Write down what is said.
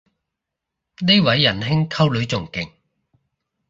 呢位人兄溝女仲勁